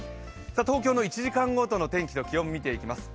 東京の１時間ごとの天気と気温を見ていきます。